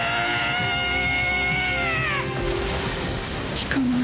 効かない。